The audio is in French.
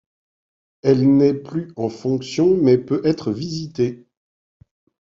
Elle n'est plus en fonction mais peut être visitée.